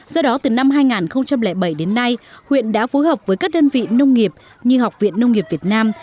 do đó từ năm hai nghìn bảy đến nay huyện đã phối hợp với các đơn vị nông nghiệp như học viện nông nghiệp việt nam